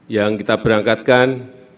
yang kita berangkatkan